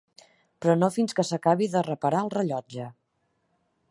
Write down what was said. Però no fins que s'acabi de reparar el rellotge.